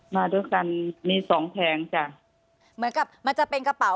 มาด้วยกันมีสองแผงจ้ะเหมือนกับมันจะเป็นกระเป๋า